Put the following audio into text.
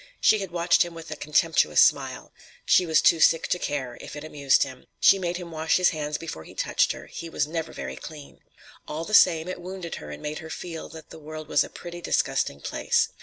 She had watched him with a contemptuous smile. She was too sick to care; if it amused him—She made him wash his hands before he touched her; he was never very clean. All the same, it wounded her and made her feel that the world was a pretty disgusting place.